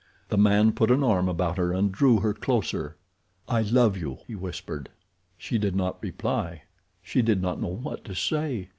The man put an arm about her and drew her closer. "I love you!" he whispered. She did not reply. She did not know what to say.